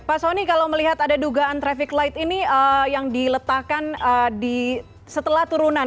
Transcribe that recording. pak soni kalau melihat ada dugaan traffic light ini yang diletakkan setelah turunan